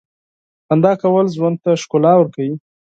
• خندا کول ژوند ته ښکلا ورکوي.